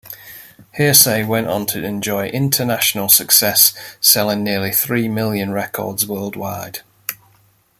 Hear'say went on to enjoy international success, selling nearly three million records worldwide.